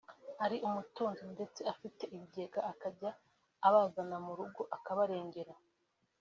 ari umutunzi ndetse afite ibigega akajya abazana mu rugo akabarengera